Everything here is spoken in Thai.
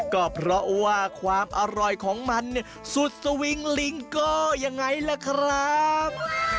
ก็เพราะว่าความอร่อยของมันเนี่ยสุดสวิงลิงก็ยังไงล่ะครับ